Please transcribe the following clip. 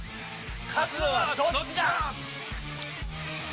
勝のはどっちだ？